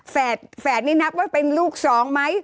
แฝดแฝดนี่นับว่าเป็นลูกสองมั้ย